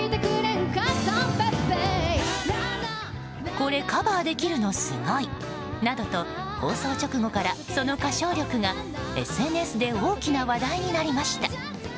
これカバーできるのすごいなどと放送直後からその歌唱力がＳＮＳで大きな話題になりました。